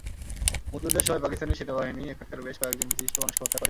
মুক্তিযুদ্ধের সময় পাকিস্তানি সেনাবাহিনী এখানকার বেশ কয়েকজন বিশিষ্ট মানুষকে হত্যা করে।